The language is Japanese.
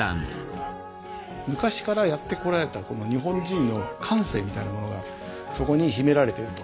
昔からやってこられたこの日本人の感性みたいなものがそこに秘められていると。